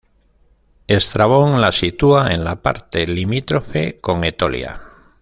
Estrabón la sitúa en la parte limítrofe con Etolia.